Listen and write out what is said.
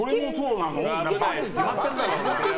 ×に決まってるだろ！